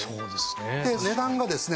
値段がですね